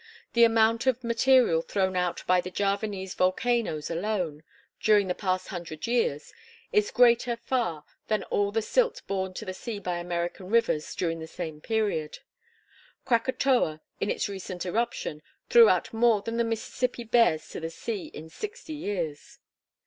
The amount of material thrown out by the Javanese volcanoes alone during the past hundred years is greater far than all the silt borne to the sea by American rivers during the same period. Krakatoa, in its recent eruption, threw out more than the Mississippi bears to the sea in sixty years.